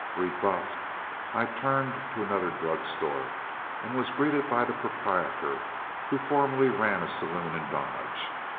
Rebuffed, I turned to another drug store, and was greeted by the proprietor, who formerly ran a saloon in Dodge.